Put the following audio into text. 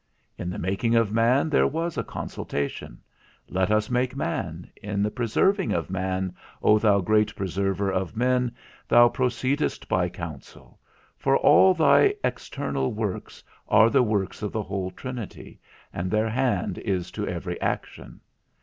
In the making of man there was a consultation; Let us make man. In the preserving of man, O thou great Preserver of men, thou proceedest by counsel; for all thy external works are the works of the whole Trinity, and their hand is to every action.